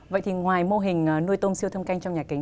vậy thì ngoài mô hình nuôi tôm siêu thâm canh trong nhà kính